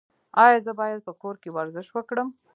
ایا زه باید په کور کې ورزش وکړم؟